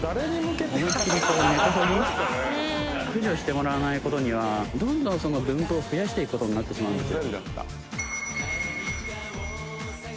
思いっきりこう根こそぎ駆除してもらわないことにはどんどん分布を増やしていくことになってしまうんですよ